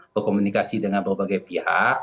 berkomunikasi dengan berbagai pihak